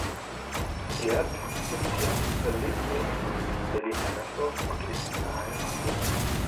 Gerd Christian lebt in Berlin-Hellersdorf und ist verheiratet.